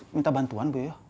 lelis minta bantuan bu yoyo